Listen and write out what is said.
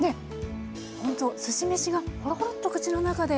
ほんとすし飯がホロホロッと口の中で。